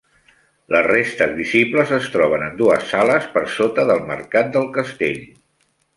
Les restes visibles es troben en dues sales per sota del mercat del castell.